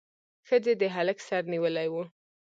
ښځې د هلک سر نیولی و.